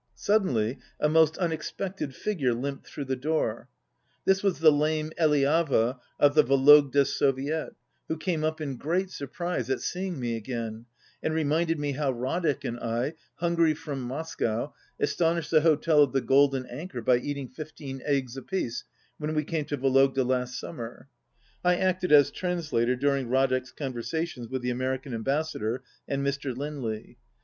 Suddenly a most unexpected figure limped through the door. This was the lame Eliava of the Vologda Soviet, who came up in great surprise at seeing me again, and reminded me how Radek and I, hungry from Moscow, aston ished the hotel of the Golden Anchor by eating fifteen eggs apiece, when we came to Vologda last summer (I acted as translator during Radek's con versations with the American Ambassador and Mr. Lindley).